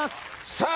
さあ